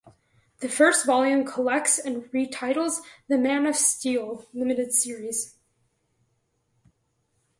The first volume collects and retitles "The Man of Steel" limited series.